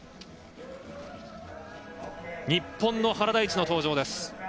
日本の原大智の登場です。